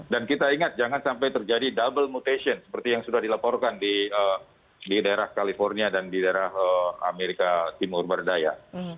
dan kita ingat jangan sampai terjadi double mutation seperti yang sudah dilaporkan di daerah california dan di daerah amerika timur merdaya